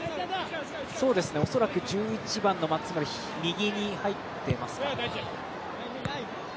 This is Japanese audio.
恐らく１１番の松村右に入ってますか。